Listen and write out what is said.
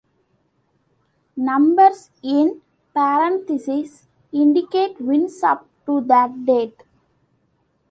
Numbers in parentheses indicate wins up to that date.